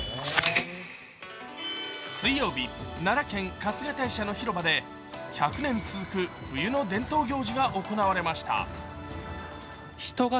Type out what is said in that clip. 水曜日、奈良県・春日大社の広場で１００年続く冬の伝統行事が行われました。